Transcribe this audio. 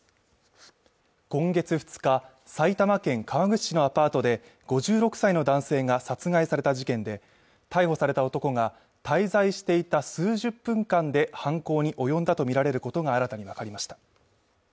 今月２日埼玉県川口市のアパートで５６歳の男性が殺害された事件で逮捕された男が滞在していた数十分間で犯行に及んだと見られることが新たに分かりました